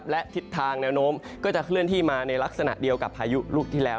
และทิศทางแนวโน้มก็จะเคลื่อนที่มาในลักษณะเดียวกับพายุลูกที่แล้ว